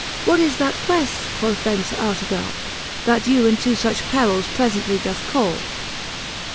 What is that queft, quoth then Sir Artegally That you into fuch perils preiently doth call?